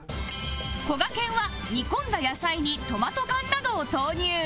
こがけんは煮込んだ野菜にトマト缶などを投入